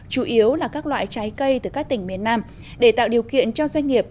chủ yếu là các loại trái cây từ các tỉnh miền nam để tạo điều kiện cho doanh nghiệp